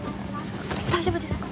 大丈夫ですか？